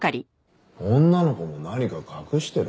女の子も何か隠してる？